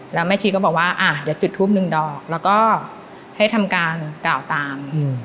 แล้วแม่ชีก็บอกว่าเดี๋ยวจุดทูปหนึ่งดอกแล้วก็ให้ทำการกล่าวตาม